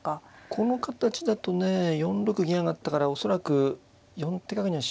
この形だとね４六銀上がったから恐らく四手角にはしないかな。